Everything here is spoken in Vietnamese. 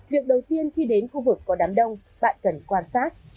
việc đầu tiên khi đến khu vực có đám đông bạn cần quan sát